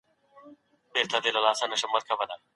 اسلامي هېوادونو ته سفرونه وشول.